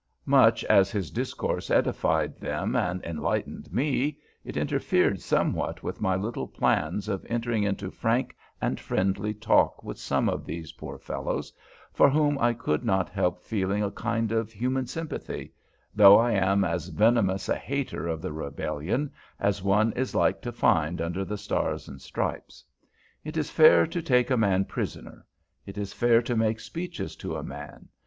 Much as his discourse edified them and enlightened me, it interfered somewhat with my little plans of entering into frank and friendly talk with some of these poor fellows, for whom I could not help feeling a kind of human sympathy, though I am as venomous a hater of the Rebellion as one is like to find under the stars and stripes. It is fair to take a man prisoner. It is fair to make speeches to a man.